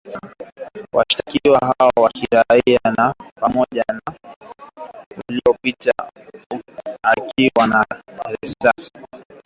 Washtakiwa hao wa kiraia na pamoja na wanawake wanne, mmoja wao alikamatwa mwezi uliopita akiwa na risasi.